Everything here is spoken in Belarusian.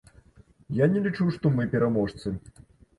Я не лічу, што мы пераможцы.